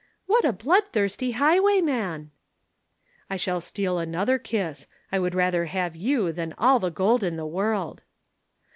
"'What a bloodthirsty highwayman!' "'I shall steal another kiss. I would rather have you than all the gold in the world.'